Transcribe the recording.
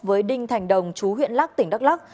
với đinh thành đồng chú huyện lắc tỉnh đắk lắc